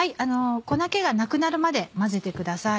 粉気がなくなるまで混ぜてください。